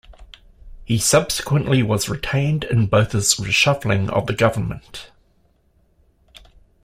He subsequently was retained in Botha's reshuffling of the government.